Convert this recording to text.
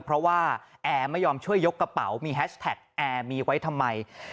เพราะว่าแอร์ไม่ยอมช่วยยกกระเป๋ามีแฮชแท็กแอร์มีไว้ทำไม